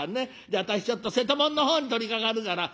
じゃあ私ちょっと瀬戸物の方に取りかかるから」。